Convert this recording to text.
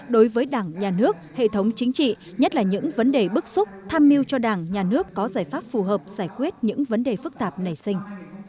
đối với đảng nhà nước hệ thống chính trị nhất là những vấn đề bức xúc tham mưu cho đảng nhà nước có giải pháp phù hợp giải quyết những vấn đề phức tạp nảy sinh